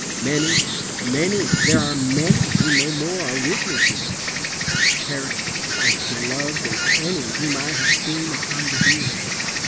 Many, many, there are many Who no more are with me here, As cherished, as beloved as any Whom I have seen upon the bier.